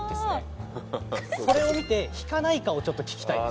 それを見て引かないかをちょっと聞きたいです。